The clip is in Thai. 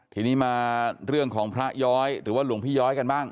ทีนี้มาเรื่องของพระย้อยหรือว่าหลวงพี่ย้อยกันบ้าง